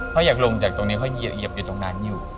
เขาอยากลงจากตรงนี้เขาเหยียบอยู่ตรงนั้นอยู่